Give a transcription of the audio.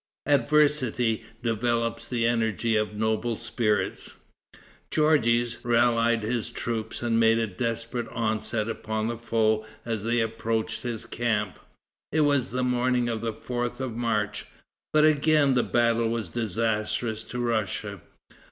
Adversity develops the energies of noble spirits. Georges rallied his troops and made a desperate onset upon the foe as they approached his camp. It was the morning of the 4th of March. But again the battle was disastrous to Russia.